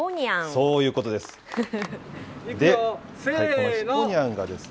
そういうことです。